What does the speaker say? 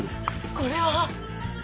これは。